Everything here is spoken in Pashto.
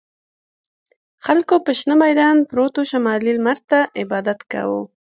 خلکو په شنه میدان پروتو شمالي لمر ته عبادت کاوه.